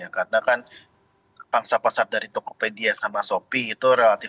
karena kan bangsa pasar dari tokopedia sama shopee itu relatif